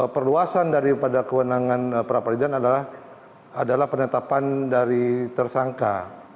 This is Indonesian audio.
perluasan daripada kewenangan pra peradilan adalah penetapan dari tersangka